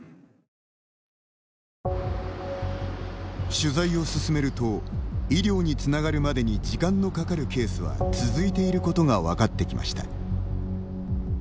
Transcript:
取材を進めると医療につながるまでに時間のかかるケースは続いていることが分かってきました。